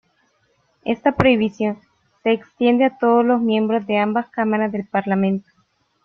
Esta prohibición se extiende a todos los miembros de ambas cámaras del Parlamento.